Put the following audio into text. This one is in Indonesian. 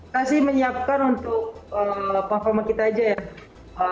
kasih menyiapkan untuk pahama kita aja ya